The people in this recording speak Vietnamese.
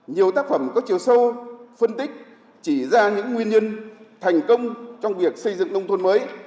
nhiều tác phẩm có chiều sâu phân tích chỉ ra những nguyên nhân thành công trong việc xây dựng nông thôn mới